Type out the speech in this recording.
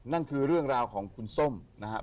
นั่นคือเรื่องราวของคุณส้มนะครับ